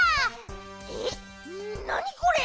えっなにこれ！